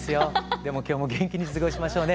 でも今日も元気に過ごしましょうね。